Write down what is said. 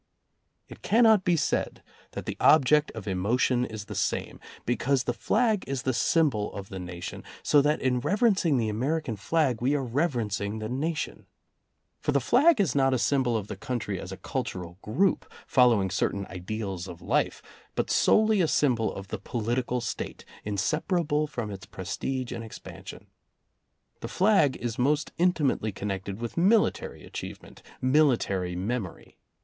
It cannot be said that the object of emotion is the same, because the flag is the symbol of the nation, so that in reverencing the American flag we are reverencing the nation. For the flag is not a symbol of the country as a cultural group, fol lowing certain ideals of life, but solely a symbol of the political State, inseparable from its prestige and expansion. The flag is most intimately connected with military achievement, military memory.